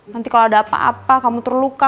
nanti kalau ada apa apa kamu terluka